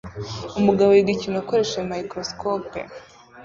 Umugabo yiga ikintu akoresheje microscope